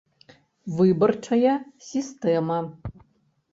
ВЫБАРЧАЯ СІСТЭМА